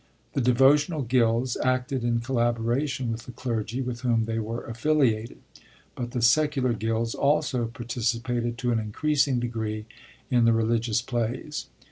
The de votional gilds acted in collaboration with the clergy with whom they were affiliated ; but the secular gilds also participated to an increasing degree in the religious plays.